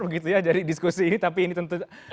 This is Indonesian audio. begitu ya dari diskusi ini tapi ini tentu